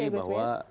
singkat saja ya gusmi